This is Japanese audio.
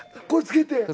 これ付けて？